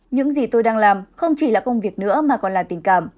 những gì tôi đang làm không chỉ là công việc nữa mà còn là tình cảm